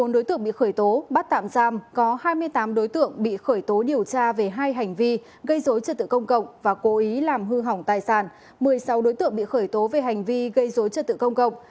một mươi sáu đối tượng bị khởi tố về hành vi gây dối chất tự công cộng